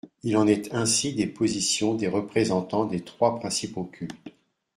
» Il en est ainsi des positions des représentants des trois principaux cultes.